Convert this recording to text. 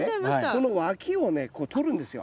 この脇をねこうとるんですよ。